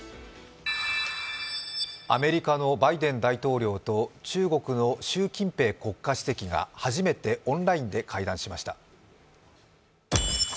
アメリカのバイデン大統領と中国の習近平国家主席が初めてオンラインで会談しました。